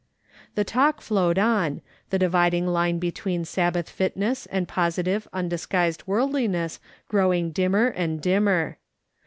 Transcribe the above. The talk flowed on, the dividing line between Sabbath fitness and positive, undisguised worldliness growing dimmer and dimmer.